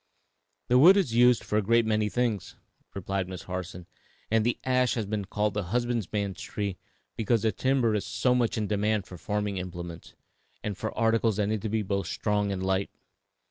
"The wood is used for a great many things," replied Miss Harson, "and the ash has been called the husbandman's tree because the timber is so much in demand for farming implements, and for articles that need to be both strong and light.